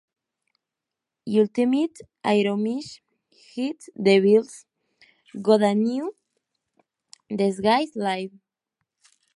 Ultimate Aerosmith Hits, Devil's Got a New Disguise, Live!